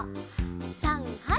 さんはい！